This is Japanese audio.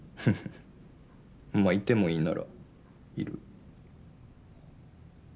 まあいてもいいならいる。